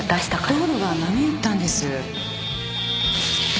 道路が波打ったんです